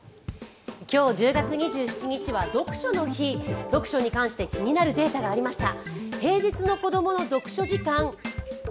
今日１０月２７日は読書の日読書に関して気になるデータがありました。